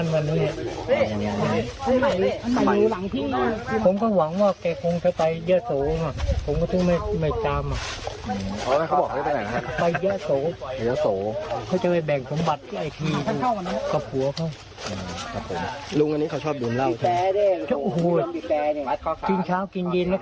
ไม่คิดมาก